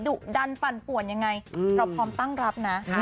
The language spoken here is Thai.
ดุดันปั่นป่วนยังไงเราพร้อมตั้งรับนะ